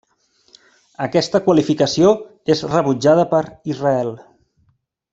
Aquesta qualificació és rebutjada per Israel.